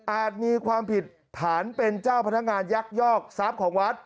มีความผิดฐานเป็นเจ้าพนักงานยักยอกทรัพย์ของวัด